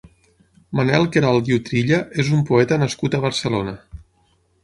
Manel Queralt i Utrilla és un poeta nascut a Barcelona.